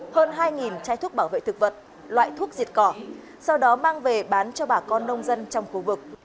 hơn hai chai thuốc bảo vệ thực vật loại thuốc diệt cỏ sau đó mang về bán cho bà con nông dân trong khu vực